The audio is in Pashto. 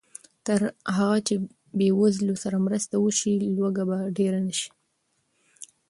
تر هغه چې بېوزلو سره مرسته وشي، لوږه به ډېره نه شي.